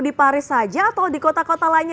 di paris saja atau di kota kota lainnya